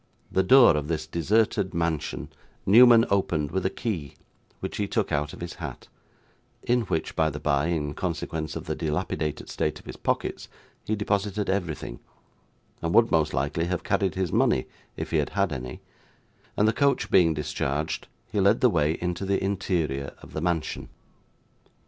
The door of this deserted mansion Newman opened with a key which he took out of his hat in which, by the bye, in consequence of the dilapidated state of his pockets, he deposited everything, and would most likely have carried his money if he had had any and the coach being discharged, he led the way into the interior of the mansion.